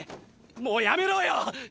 もうやめろよ！！